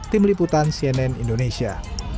tim liputan cnn indonesia